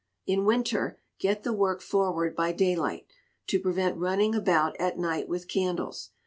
In winter, get the work forward by daylight, to prevent running about at night with candles.